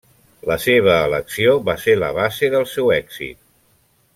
La seva elecció va ser la base del seu èxit.